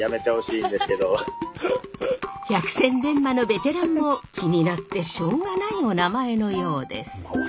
百戦錬磨のベテランも気になってしょうがないおなまえのようです。